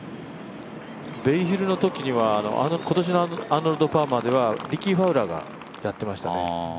ベイヒルのとき、今年のアーノルド・パーマーではリッキー・ファウラーがやっていましたね。